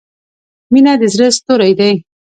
• مینه د زړۀ ستوری دی.